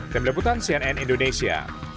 demi deputan cnn indonesia